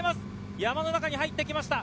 山の中に入ってきました。